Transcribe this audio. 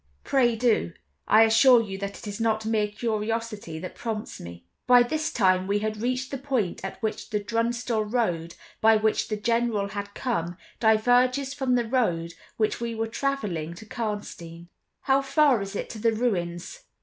"Pray do; I assure you that it is not mere curiosity that prompts me." By this time we had reached the point at which the Drunstall road, by which the General had come, diverges from the road which we were traveling to Karnstein. "How far is it to the ruins?"